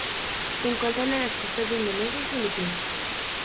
Se encuentran en las costas de Indonesia y Filipinas.